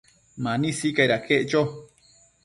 Mani sicaid aquec cho